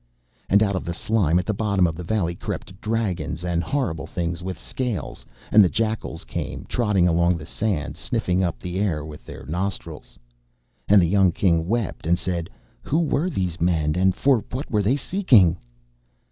And out of the slime at the bottom of the valley crept dragons and horrible things with scales, and the jackals came trotting along the sand, sniffing up the air with their nostrils. And the young King wept, and said: 'Who were these men, and for what were they seeking?